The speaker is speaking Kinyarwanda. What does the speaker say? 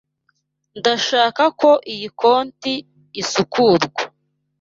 Ndashaka ko iyi koti isukurwa.